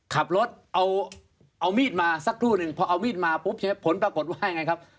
ขับรถเอามีดมาสักครู่หนึ่งพอเอามีดมาปุ๊บใช่ไหมผลปรากฏว่ายังไงครับ